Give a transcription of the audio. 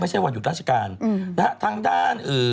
ไปลาทั้งห้า